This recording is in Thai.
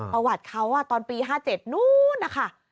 ประวัติเขาตอนปี๕๗นู้นนะคะ